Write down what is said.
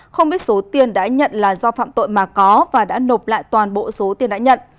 không biết số tiền đã nhận là do phạm tội mà có và đã nộp lại toàn bộ số tiền đã nhận